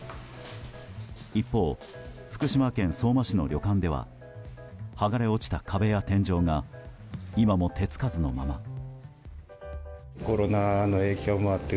一方、福島県相馬市の旅館では剥がれ落ちた壁や天井が今も手付かずのまま。